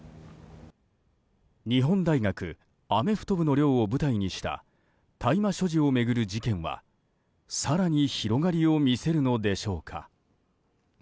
日本大学アメフト部の寮を舞台にした大麻所持を巡る事件は更に広がりを見せるのでしょうか。